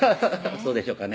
そうでしょうかね